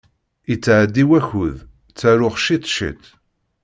Yettɛeddi wakud, ttaruɣ ciṭ ciṭ.